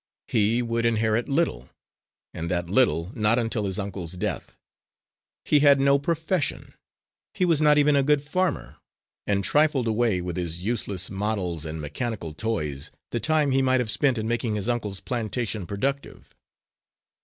He would inherit little, and that little not until his uncle's death. He had no profession. He was not even a good farmer, and trifled away, with his useless models and mechanical toys, the time he might have spent in making his uncle's plantation productive.